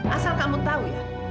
asal kamu tahu ya